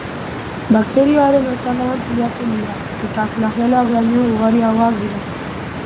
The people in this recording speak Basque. Bakterioaren azalean pilatzen dira eta flageloak baino ugariagoak dira.